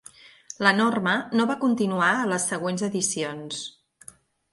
La norma no va continuar a les següents edicions.